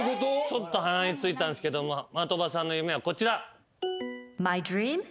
ちょっと鼻についたんすけども的場さんの夢はこちら。